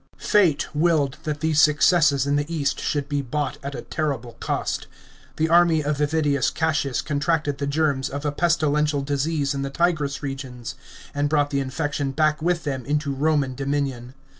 § 9. Fate willed that these successes in the east should be bought at a terrible cost. The army of Avidius Cassius contracted the germs 542 PEIXCIPATE OF M ABC US AURELIUS. CHAP, xxvm of a pestilential disease in the Tigris regions, and brought the infection back with them into Roman dominion.